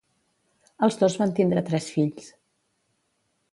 Els dos van tindre tres fills.